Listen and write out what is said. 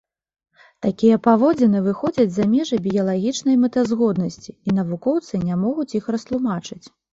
Такія паводзіны выходзяць за межы біялагічнай мэтазгоднасці, і навукоўцы не могуць іх растлумачыць.